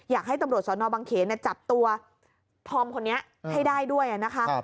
อยากให้ตำรวจสนบังเขนจับตัวธอมคนนี้ให้ได้ด้วยนะคะ